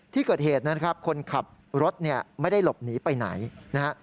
ที่เกิดเหตุนะครับคนขับรถเนี่ยไม่ได้หลบหนีไปไหนนะฮะ